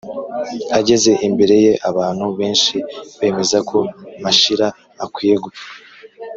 ageze imbere ye abantu benshi bemeza ko mashira akwiye gupfa.